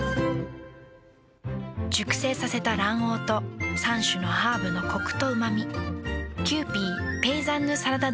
熟成させた卵黄と３種のハーブのコクとうま味。